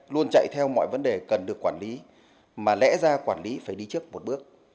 luôn chạy theo mọi vấn đề cần được quản lý mà lẽ ra quản lý phải đi trước một bước